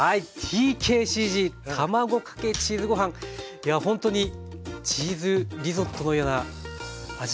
いやほんとにチーズリゾットのような味わいがしそうですね。